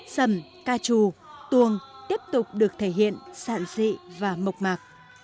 sầm ca trù tuồng tiếp tục được thể hiện sản dị và mộc mạc